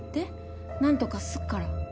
なんとかすっから。